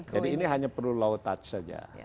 jadi ini hanya perlu low touch saja